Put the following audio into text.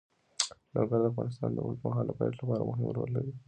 لوگر د افغانستان د اوږدمهاله پایښت لپاره مهم رول لري.